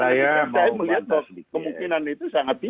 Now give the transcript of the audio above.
saya melihat bahwa kemungkinan itu sangat tinggi